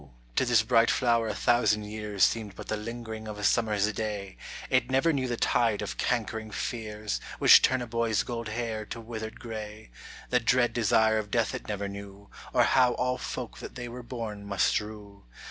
to this bright flower a thousand years Seemed but the lingering of a summer's day, It never knew the tide of cankering fears Which turn a boy's gold hair to withered gray, The dread desire of death it never knew, Or how all folk that they were born must rue.